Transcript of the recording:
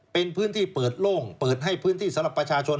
เป็นพื้นที่เปิดโล่งเปิดให้พื้นที่สำหรับประชาชน